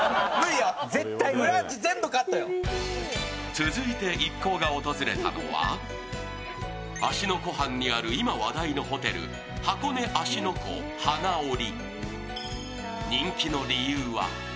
続いて一行が訪れたのは芦ノ湖畔にある今話題のホテル、箱根・芦ノ湖はなをり。